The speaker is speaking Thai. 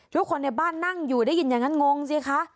ทุกคนในบ้านนั่งอยู่ได้ยินอย่างนั้นงงสิคะ